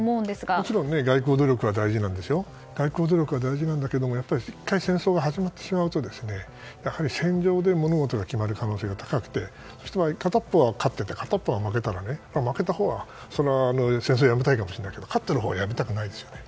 もちろん、外交努力は大事なんですけれどもやっぱり１回戦争が始まってしまうとやはり戦場で物事が決まる可能性が高くて、そして片一方は勝ってて片一方は負けてたら負けたほうは戦争はやめたいかもしれないけど勝っているほうはやめたくないですよね。